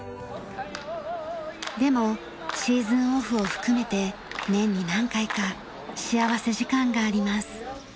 でもシーズンオフを含めて年に何回か幸福時間があります。